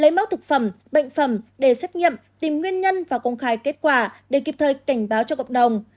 lấy mẫu thực phẩm bệnh phẩm để xét nghiệm tìm nguyên nhân và công khai kết quả để kịp thời cảnh báo cho cộng đồng